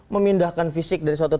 memindahkan fisik dari suatu